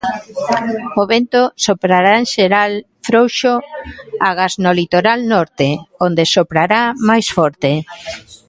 O vento soprará en xeral frouxo agás no litoral norte onde soprará máis forte.